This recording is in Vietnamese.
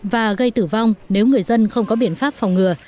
và gây tử vong nếu người dân không có biện pháp phòng ngừa